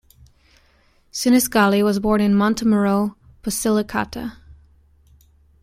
Sinisgalli was born in Montemurro, Basilicata.